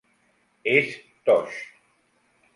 És Tosh.